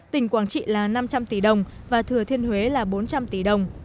tỉnh quảng trị là năm trăm linh tỷ đồng và thừa thiên huế là bốn trăm linh tỷ đồng